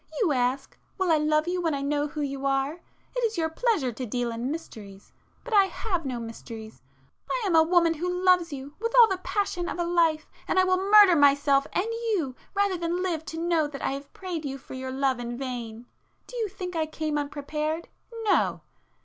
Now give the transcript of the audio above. You ask, will I love you when I know who you are,—it is your pleasure to deal in mysteries, but I have no mysteries—I am a woman who loves you with all the passion of a life,—and [p 367] I will murder myself and you, rather than live to know that I have prayed you for your love in vain. Do you think I came unprepared?—no!"